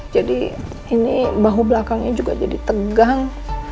jadi ini bahu belakangnya juga jadi tegang